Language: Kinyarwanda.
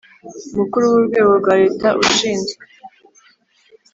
Mukuru w urwego rwa leta ushinzwe